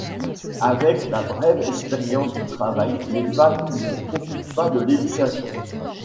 Avec la brève expérience de travail, les femmes ne profitent pas de l'éducation.